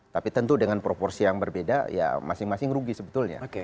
tapi tentu dengan proporsi yang berbeda ya masing masing rugi sebetulnya